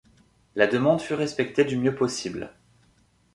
La demande fut respectée du mieux possible.